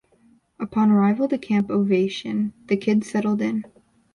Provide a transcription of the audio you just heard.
Upon arrival to Camp Ovation, the kids settle in.